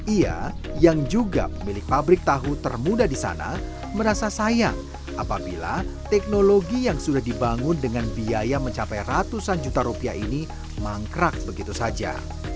ia yang juga pemilik pabrik tahu termuda di sana merasa sayang apabila teknologi yang sudah dibangun dengan biaya mencapai ratusan juta rupiah ini mangkrak begitu saja